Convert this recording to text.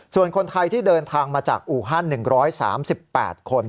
ส่วนคนไทยที่เดินทางมาจากอูฮัน๑๓๘คน